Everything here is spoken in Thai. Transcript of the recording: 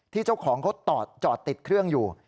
เจ้าของเขาจอดติดเครื่องอยู่